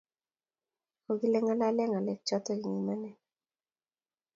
Kokie ngalale ngalek chotok eng imanit